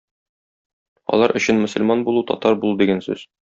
Алар өчен мөселман булу - татар булу дигән сүз.